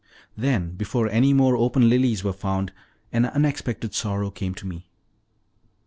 Then, before any more open lilies were found, an unexpected sorrow came to me.